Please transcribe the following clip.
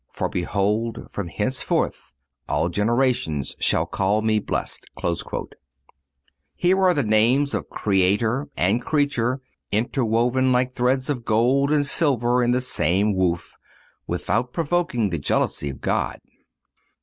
For, behold from henceforth all generations shall call me blessed."(258) Here are the names of Creator and creature interwoven like threads of gold and silver in the same woof, without provoking the jealousy of God.